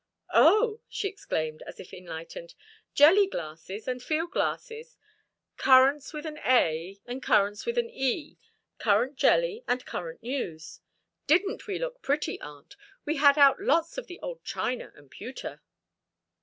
"Oh!" she exclaimed, as if enlightened. "Jelly glasses and field glasses, currants with an a, and currents with an e currant jelly and current news! Didn't we look pretty, aunt? We had out lots of the old china and pewter."